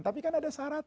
tapi kan ada syaratnya